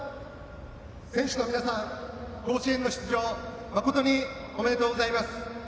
選手の皆さん、甲子園の出場誠におめでとうございます。